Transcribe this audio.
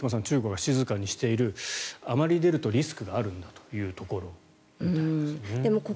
中国が静かにしているあまり出るとリスクがあるんだというところなんですね。